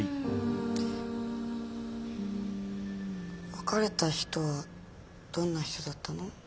別れた人はどんな人だったの？